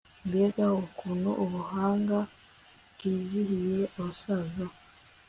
mbega ukuntu ubuhanga bwizihiye abasaza